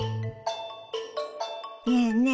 ねえねえ